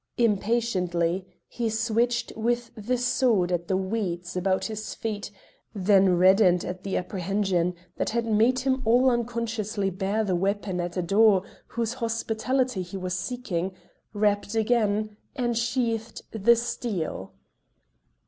Impatiently he switched with the sword at the weeds about his feet; then reddened at the apprehension that had made him all unconsciously bare the weapon at a door whose hospitality he was seeking, rapped again, and sheathed the steel.